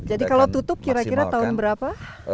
jadi kalau tutup kira kira tahun berapa